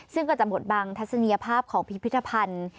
ซึ่งก็จะบดบังทัศนียภาพของพิพิธภัณฑ์